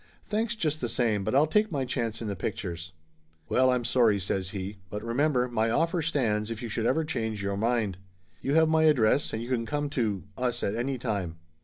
Thanks just the same, but I'll take my chance in the pictures." "Well, I'm sorry!" says he. "But remember, my offer stands if you should ever change your mind. You have my address and you can come to us, at any time."